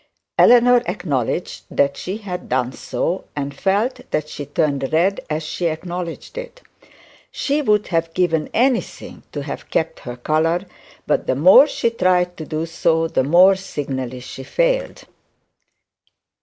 Eleanor acknowledged that she had done so, and felt that she turned red as she acknowledged it. She would have given anything to have kept her colour, but the more she tried to do so, the more she signally failed.